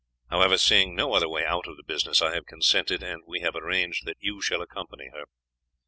However, seeing no other way out of the business, I have consented, and we have arranged that you shall accompany her.